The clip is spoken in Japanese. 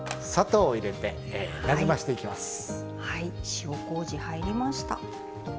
塩こうじ入りました。